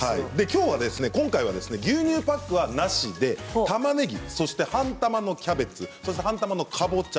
今日は牛乳パックはなしたまねぎと半玉のキャベツ半玉のかぼちゃ